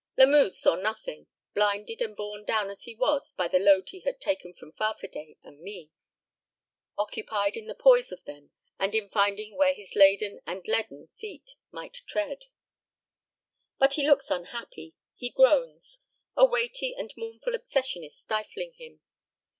Lamuse saw nothing, blinded and borne down as he was by the load he had taken from Farfadet and me, occupied in the poise of them, and in finding where his laden and leaden feet might tread. But he looks unhappy; he groans. A weighty and mournful obsession is stifling him.